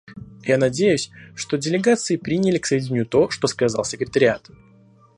Я надеюсь, что делегации приняли к сведению то, что сказал секретариат.